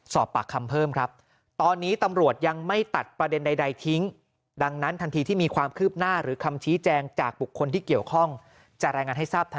สอบปากคำเพิ่มครับตอนนี้ตำรวจยังไม่ตัดประเด็นใดทิ้ง